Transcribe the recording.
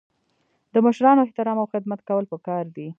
د مشرانو احترام او خدمت کول پکار دي.